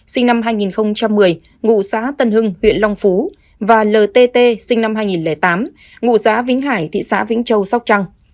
sinh năm hai nghìn một mươi ngụ xã tân hưng huyện long phú và lt sinh năm hai nghìn tám ngụ xã vĩnh hải thị xã vĩnh châu sóc trăng